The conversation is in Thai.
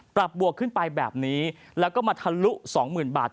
บวกขึ้นไปแบบนี้แล้วก็มาทะลุ๒๐๐๐บาท